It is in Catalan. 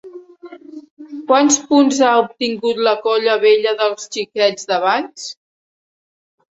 Quants punts ha obtingut la Colla Vella dels Xiquets de Valls?